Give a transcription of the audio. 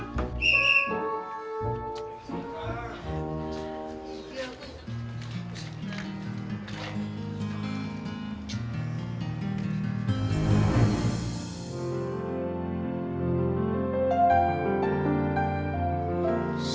ayo semuanya bangun